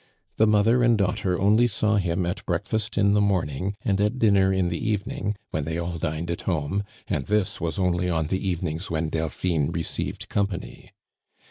The mother and daughter only saw him at breakfast in the morning and at dinner in the evening, when they all dined at home, and this was only on the evenings when Delphine received company.